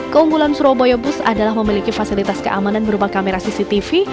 keunggulan surabaya bus adalah memiliki fasilitas keamanan berupa kamera cctv